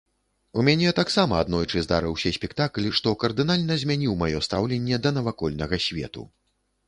У мяне таксама аднойчы здарыўся спектакль, што кардынальна змяніў маё стаўленне да навакольнага свету.